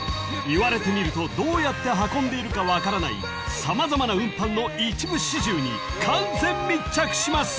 ［言われてみるとどうやって運んでいるか分からない様々な運搬の一部始終に完全密着します］